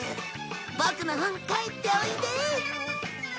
ボクの本返っておいで」